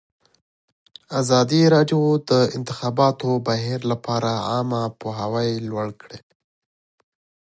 ازادي راډیو د د انتخاباتو بهیر لپاره عامه پوهاوي لوړ کړی.